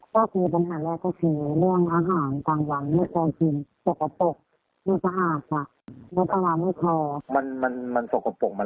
ก็คือปัญหาแรกก็คือเรื่องอาหารกลางวันไม่ต้องกิน